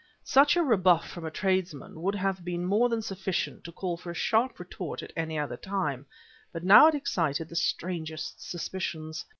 Such a rebuff from a tradesman would have been more than sufficient to call for a sharp retort at any other time, but now it excited the strangest suspicions.